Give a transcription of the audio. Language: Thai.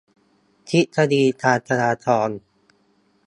ทฤษฎีการจราจร